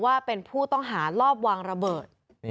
ว่าเป็นผู้ต้องหาลอบวางระเบิด